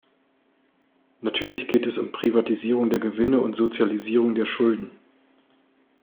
Natürlich geht es um Privatisierung der Gewinne und Sozialisierung der Schulden.